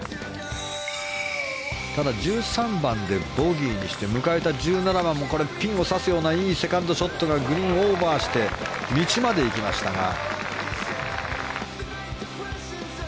ただ、１３番でボギーにして迎えた１７番もピンをさすようないいセカンドショットがグリーンをオーバーして道まで行きましたが。